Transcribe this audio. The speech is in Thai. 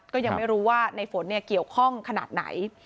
ก็ยังไม่รู้ว่าในฝนเกี่ยวข้องขนาดไหน